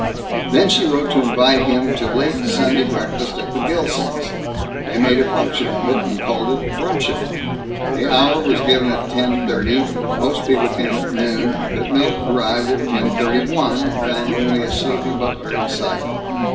Then she wrote to invite him to late Sunday breakfast at the Gilsons' they made a function of it, and called it bruncheon. The hour was given as ten thirty; most people came at noon; but Milt arrived at ten thirty one, and found only a sleepy butler in sight.